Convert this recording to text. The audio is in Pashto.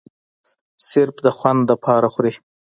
صرف د خوند د پاره خوري